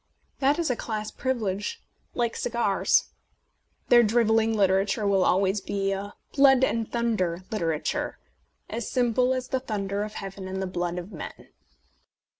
That is a class privilege, like cigars. Their drivelling literature will always be a blood and thunder" litera ture, as simple as the thunder of heaven and the blood of men.